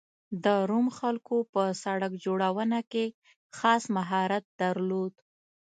د روم خلکو په سړک جوړونه کې خاص مهارت درلود